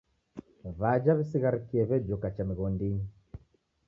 W'aja w'isigharikie w'ejoka cha mighondinyi.